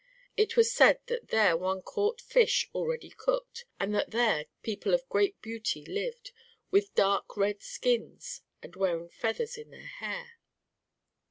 It was said that there one caught fish already cooked, and that there people of great beauty lived, with dark red skins and wearing feathers in their hair.